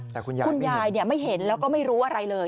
แต่คุณยายคุณยายไม่เห็นแล้วก็ไม่รู้อะไรเลย